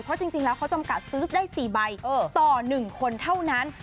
เพราะจริงแล้วเขาจำกัดซื้อได้๔ใบต่อ๑คนเท่านั้น